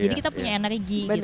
jadi kita punya energi gitu